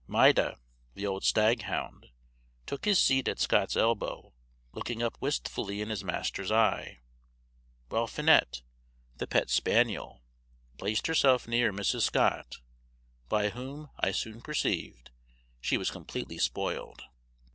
Maida, the old stag hound, took his seat at Scott's elbow, looking up wistfully in his master's eye, while Finette, the pet spaniel, placed herself near Mrs. Scott, by whom, I soon perceived, she was completely spoiled.